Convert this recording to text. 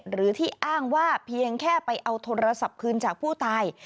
หรือที่อ้างว่าเพียงแค่ไปเอาโทรศัพท์คืนจากผู้ตาย